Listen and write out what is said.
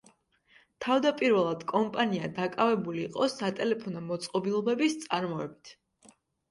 თავდაპირველად კომპანია დაკავებული იყო სატელეფონო მოწყობილობების წარმოებით.